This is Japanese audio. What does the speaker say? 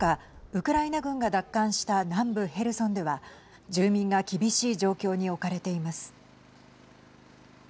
ウクライナ軍が奪還した南部ヘルソンでは住民が厳しい状況に置かれています。